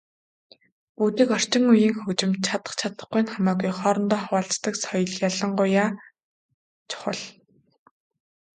Бүжиг, орчин үеийн хөгжимд чадах чадахгүй нь хамаагүй хоорондоо хуваалцдаг соёл ялангуяа чухал.